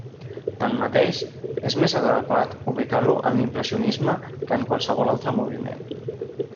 Tanmateix, és més adequat ubicar-lo en l'impressionisme que en qualsevol altre moviment.